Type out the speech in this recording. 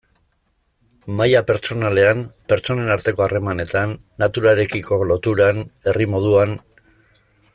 Maila pertsonalean, pertsonen arteko harremanetan, naturarekiko loturan, herri moduan...